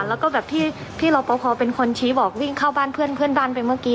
แล้วก็แบบที่พี่รอปภเป็นคนชี้บอกวิ่งเข้าบ้านเพื่อนบ้านไปเมื่อกี้